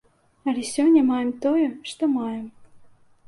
Але сёння маем тое, што маем.